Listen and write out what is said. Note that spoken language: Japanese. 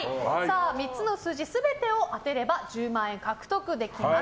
３つの数字全てを当てれば１０万円獲得できます。